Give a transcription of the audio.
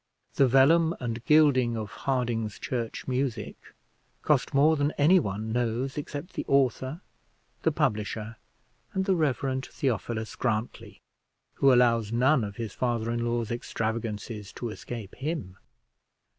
The vellum and gilding of "Harding's Church Music" cost more than any one knows, except the author, the publisher, and the Rev. Theophilus Grantly, who allows none of his father in law's extravagances to escape him.